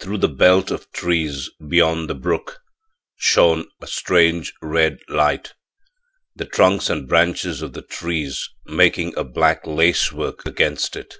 Through the belt of trees beyond the brook shone a strange red light, the trunks and branches of the trees making a black lacework against it.